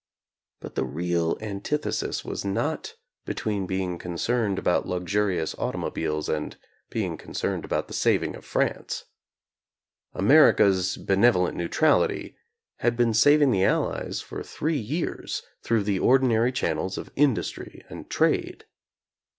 But the real antithesis was not between being concerned about luxurious automobiles and being concerned about the saving of France. America's "benevolent neutrality" had been saving the Allies for three years through the ordinary channels of industry and trade.